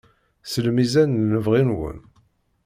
S lmizan n lebɣi-nwen.